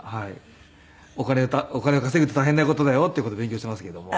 お金を稼ぐって大変な事だよっていう事を勉強していますけども。